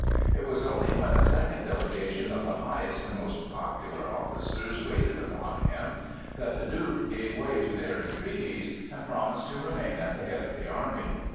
It was only when a second delegation of the highest and most popular officers waited upon him, that the Duke gave way to their entreaties and promised to remain at the head of the army.